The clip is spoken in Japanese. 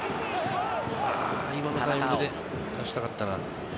今のタイミングで出したかったな。